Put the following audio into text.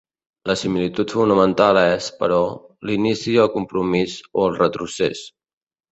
La similitud fonamental és, però, l'inici i el compromís o el retrocés.